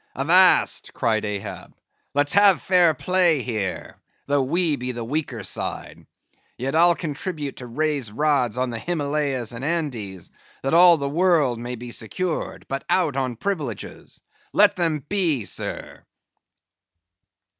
"Avast!" cried Ahab; "let's have fair play here, though we be the weaker side. Yet I'll contribute to raise rods on the Himmalehs and Andes, that all the world may be secured; but out on privileges! Let them be, sir."